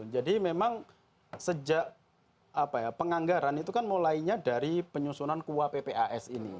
jadi memang sejak apa ya penganggaran itu kan mulainya dari penyusunan kuah ppas ini